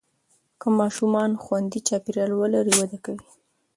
که ماشومان خوندي چاپېریال ولري، وده کوي.